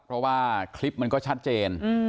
เพราะว่าคลิปมันก็ชัดเจน